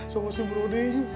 sama si brodeng